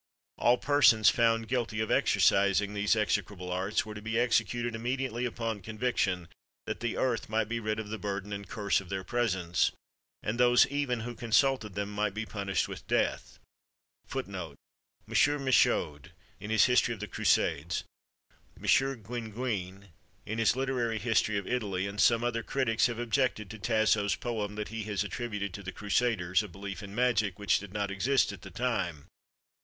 All persons found guilty of exercising these execrable arts were to be executed immediately upon conviction, that the earth might be rid of the burden and curse of their presence; and those even who consulted them might also be punished with death." Histoire de la Magie en France. Rois de la seconde race, p. 29. M. Michaud, in his History of the Crusades, M. Guinguené, in his Literary History of Italy, and some other critics, have objected to Tasso's poem, that he has attributed to the Crusaders a belief in magic, which did not exist at that time.